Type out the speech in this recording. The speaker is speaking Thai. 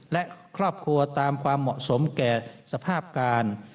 และครอบครัวตามความเหมาะสมแก่สภาพการ